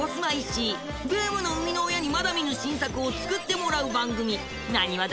石井ブームの生みの親にまだ見ぬ新作をつくってもらう番組なにわ